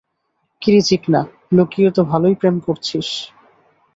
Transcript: কিরে চিকনা, লুকিয়ে তো ভালোই প্রেম করছিস।